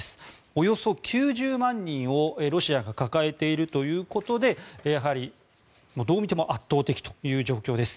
およそ９０万人をロシアが抱えているということでやはりどう見ても圧倒的という状況です。